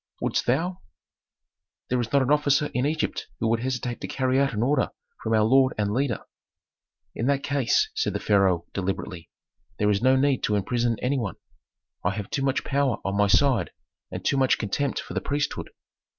"Wouldst thou?" "There is not an officer in Egypt who would hesitate to carry out an order from our lord and leader." "In that case," said the pharaoh, deliberately, "there is no need to imprison any one. I have too much power on my side and too much contempt for the priesthood.